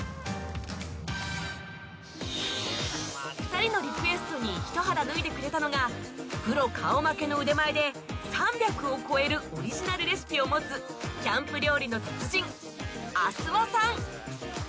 ２人のリクエストに一肌脱いでくれたのがプロ顔負けの腕前で３００を超えるオリジナルレシピを持つキャンプ料理の達人阿諏訪さん